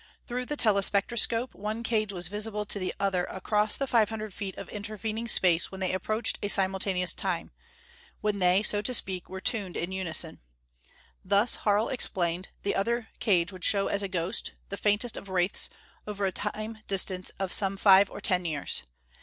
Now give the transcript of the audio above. Through the telespectroscope one cage was visible to the other across the five hundred feet of intervening Space when they approached a simultaneous Time; when they, so to speak, were tuned in unison. Thus, Harl explained, the other cage would show as a ghost, the faintest of wraiths, over a Time distance of some five or ten years.